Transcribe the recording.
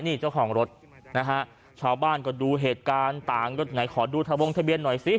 นี่เจ้าของรถนะฮะชาวบ้านก็ดูเหตุการณ์ต่างรถไหนขอดูทะวงทะเบียนหน่อยสิ